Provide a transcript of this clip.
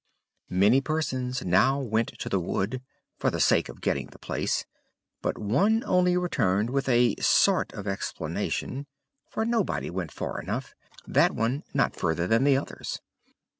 Many persons now went to the wood, for the sake of getting the place, but one only returned with a sort of explanation; for nobody went far enough, that one not further than the others.